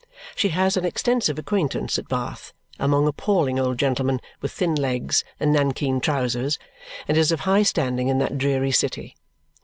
She has an extensive acquaintance at Bath among appalling old gentlemen with thin legs and nankeen trousers, and is of high standing in that dreary city.